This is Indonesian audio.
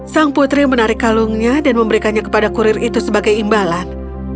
sang putri menarik kalungnya dan memberikannya kepada kurir itu sebagai imbalan